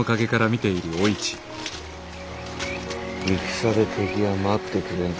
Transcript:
戦で敵は待ってくれんぞ。